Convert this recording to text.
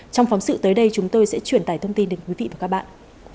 trong phóng sự tới đây chúng tôi sẽ truyền tải thông tin đến quý vị và các bạn